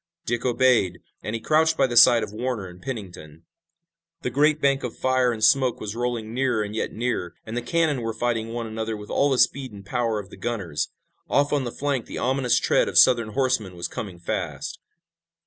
Dick obeyed, and he crouched by the side of Warner and Pennington. The great bank of fire and smoke was rolling nearer and yet nearer, and the cannon were fighting one another with all the speed and power of the gunners. Off on the flank the ominous tread of Southern horsemen was coming fast.